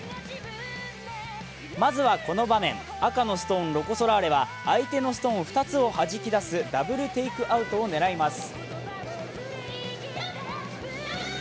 まずはこの場面、赤のストーンロコ・ソラーレは相手のストーン２つをはじき出すダブルテイクアウトを狙います。